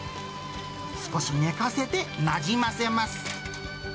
少し寝かせてなじませます。